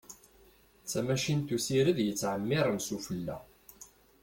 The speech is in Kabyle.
D tamacint usired yettεemmiren sufella.